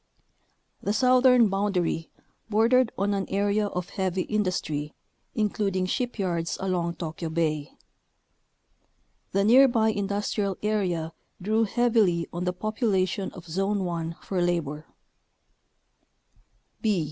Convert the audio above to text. The southern boundary bordered on an area of heavy industry, including shipyards along Tokyo Bay. The near by industrial area drew heavily on the population of Zone 1 for labor.